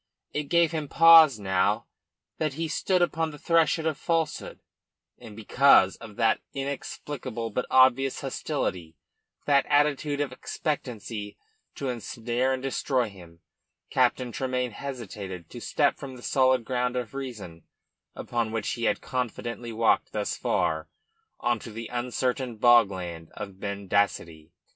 It gave him pause now that he stood upon the threshold of falsehood; and because of that inexplicable but obvious hostility, that attitude of expectancy to ensnare and destroy him, Captain Tremayne hesitated to step from the solid ground of reason, upon which he had confidently walked thus far, on to the uncertain bogland of mendacity.